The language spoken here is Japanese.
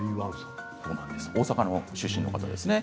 大阪の出身の方ですね。